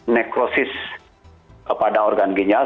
necrosis pada organ ginjal